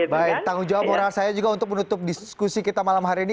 baik tanggung jawab moral saya juga untuk menutup diskusi kita malam hari ini